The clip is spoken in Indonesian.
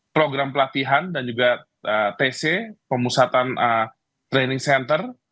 program pelatihan dan juga tc pemusatan training center